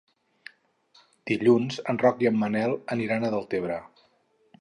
Dilluns en Roc i en Manel aniran a Deltebre.